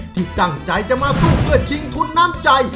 ที่ตั้งใจจะมาสู้เพื่อชิงทุนน้ำใจ